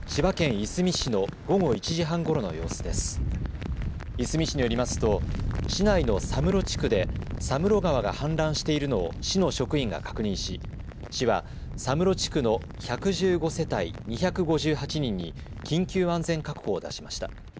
いすみ市によりますと市内の佐室地区で佐室川が氾濫しているのを市の職員が確認し市は佐室地区の１１５世帯２５８人に緊急安全確保を出しました。